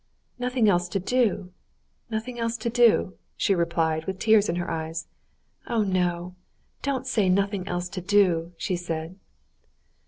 "Nothing else to do, nothing else to do...." she replied, with tears in her eyes. "Oh no, don't say nothing else to do!" she said.